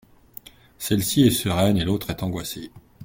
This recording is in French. Celle-ci est sereine et l’autre est angoissé.